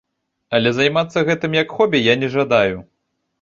Але займацца гэтым як хобі я не жадаю.